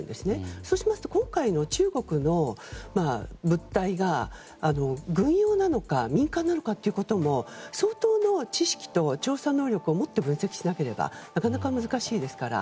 そうしますと今回の中国の物体が軍用なのか民間なのかも相当な知識と調査能力をもって分析しなければなかなか難しいですから。